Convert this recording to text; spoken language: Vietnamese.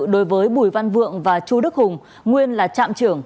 đối với bùi văn vượng và chu đức hùng nguyên là trạm trưởng